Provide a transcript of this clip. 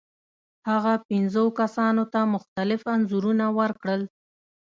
هغه پنځو کسانو ته مختلف انځورونه ورکړل.